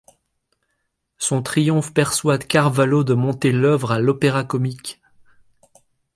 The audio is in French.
Son triomphe persuade Carvalho de monter l'œuvre à l'Opéra-Comique.